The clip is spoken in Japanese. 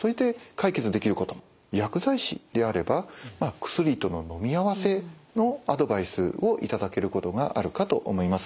薬剤師であれば薬とののみ合わせのアドバイスを頂けることがあるかと思います。